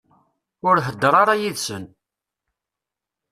Ur heddeṛ ara yid-sen.